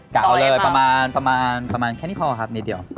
กะเอาเลยประมาณแค่นี้พอครับ